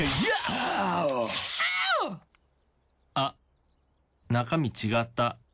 ワーオ！あっ中身違った。